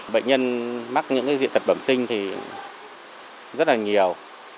bệnh nhân mắc những cái diện tật bẩm sinh thì rất là nhiều